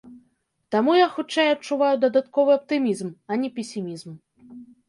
Таму я, хутчэй, адчуваю дадатковы аптымізм, а не песімізм.